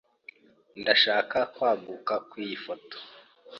Ndashaka kwaguka kwiyi foto.